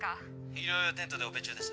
医療用テントでオペ中です